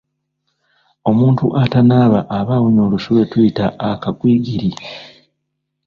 Omuntu atanaaba aba awunya olusu lwe tuyita akagwigiri..